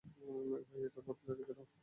ভাই, এটার বদলে রেখে দাও।